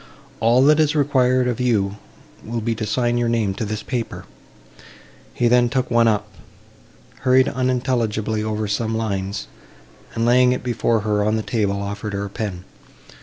All that is required of you will be to sign your name to this paper:" he then took one up, hurried unintelligibly over some lines, and, laying it before her on the table, offered her a pen.